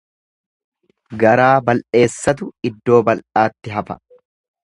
Garaa bal'eessatu iddoo bal'aatti hafa.